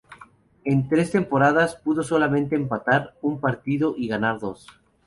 En tres temporadas pudo solamente empatar un partido y ganar dos.